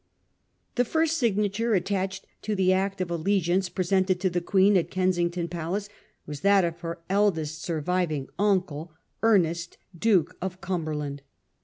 The first signature attached to the Act of Allegi ance presented to the Queen at Kensington Palace, was that of her eldest surviving uncle, Ernest, Duke of Cumberland.